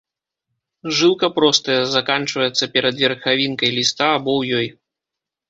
Жылка простая, заканчваецца перад верхавінкай ліста або ў ёй.